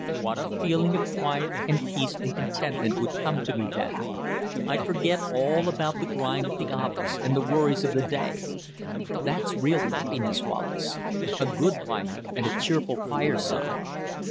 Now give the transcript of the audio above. What a feeling of quiet, and peace, and contentment, would come to me then! I'd forget all about the grind at the office and the worries of the day. That's real happiness, Wallace a good wife and a cheerful fireside.